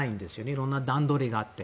色々な段取りがあって。